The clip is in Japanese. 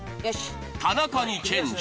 田中にチェンジ。